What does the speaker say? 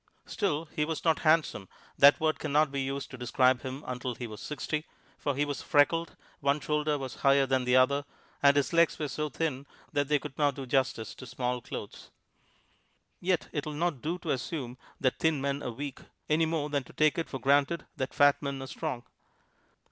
Still he was hot handsome that word can not be used to describe him until he was sixty for he was freckled, one shoulder wets higher than the other, and his legs were so thin that they could not do justice to small clothes. Yet it will not do to assume that thin men are weak, any more than to take it for granted that fat men are strong.